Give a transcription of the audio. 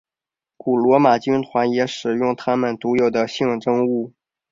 古罗马军团也使用他们独有的象征物。